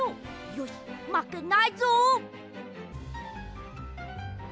よしまけないぞ！